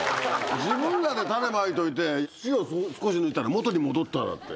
自分らでタネまいといて土を少し抜いたら元に戻っただって。